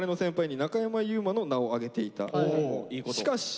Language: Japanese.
「しかし」。